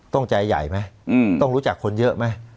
ต้องใจใหญ่ไหมต้องรู้จักคนเยอะไหม